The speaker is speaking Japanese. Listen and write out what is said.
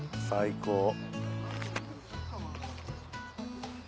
最高。